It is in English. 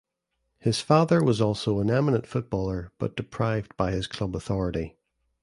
His father was also an eminent footballer but deprived by his club authority.